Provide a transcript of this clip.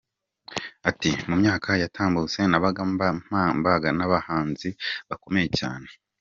Ati “Mu myaka yatambutse nabaga mbanganye n’abahanzi bakomeye cyane.